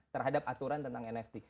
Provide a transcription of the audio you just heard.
terhadap aturan tentang nft